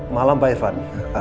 malam pak irfan